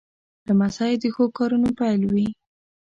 لمسی د ښو کارونو پیل وي.